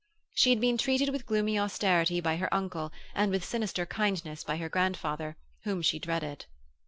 She had been treated with gloomy austerity by her uncle and with sinister kindness by her grandfather, whom she dreaded.